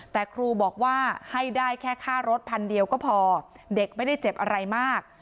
แต่ครูบอกว่าให้ได้แค่ค่ารถพันเดียวก็พอเด็กไม่ได้เจ็บอะไรมาก